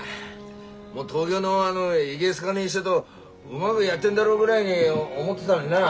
もう東京のあのいげ好かねえ医者とうまぐやってんだろぐらいに思ってだのになあ？